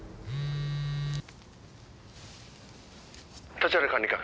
「立原管理官」